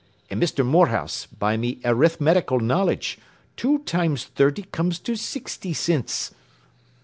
An' Mister Morehouse, by me arithmetical knowledge two times thurty comes to sixty cints.